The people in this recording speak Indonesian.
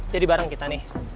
jadi bareng kita nih